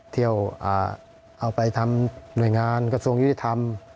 เที่ยวเอาไปทำหน่วยงานกระทรวงยุติธรรม